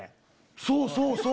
そうそうそう！